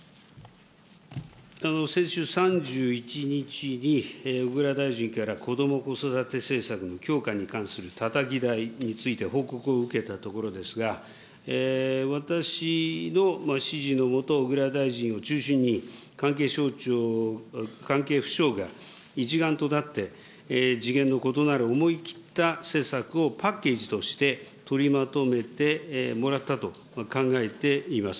先週３１日に、小倉大臣から子ども・子育て政策の強化に関するたたき台について報告を受けたところですが、私の指示の下、小倉大臣を中心に、関係省庁、関係府省が一丸となって、次元の異なる思い切った施策をパッケージとして取りまとめてもらったと考えています。